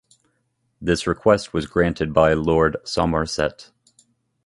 This request was granted by Lord Somerset.